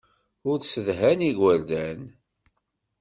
Ur ssedhan igerdan.